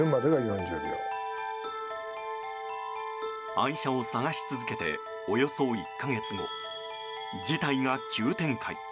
愛車を探し続けておよそ１か月後、事態が急展開。